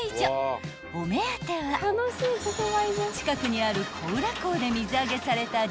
［お目当ては近くにある小浦港で水揚げされた］